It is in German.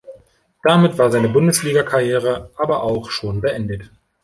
Damit war seine Bundesliga-Karriere aber auch schon beendet.